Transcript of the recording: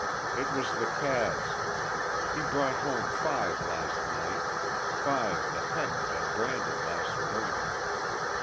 "It was the calves. He brought home five last night five that hadn't been branded last spring.